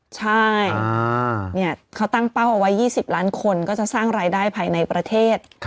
ใช่เขาตั้งเป้าเอาไว้๒๐ล้านคนก็จะสร้างรายได้ภายในประเทศ